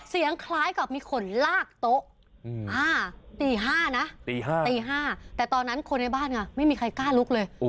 คล้ายกับมีคนลากโต๊ะตี๕นะตี๕ตี๕แต่ตอนนั้นคนในบ้านไงไม่มีใครกล้าลุกเลย